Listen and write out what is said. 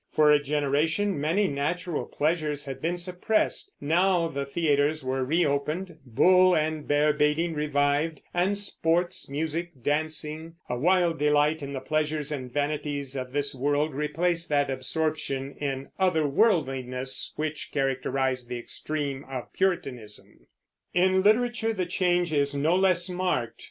For a generation many natural pleasures had been suppressed; now the theaters were reopened, bull and bear baiting revived, and sports, music, dancing, a wild delight in the pleasures and vanities of this world replaced that absorption in "other worldliness" which characterized the extreme of Puritanism. In literature the change is no less marked.